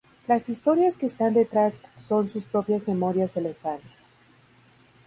Las historias que están detrás son sus propias memorias de la infancia.